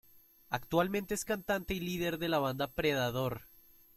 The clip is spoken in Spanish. Actualmente es cantante y líder de la banda Predador.